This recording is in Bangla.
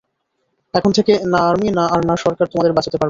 এখন থেকে, না আর্মি আর না সরকার তোমাদের বাঁচাতে পারবে।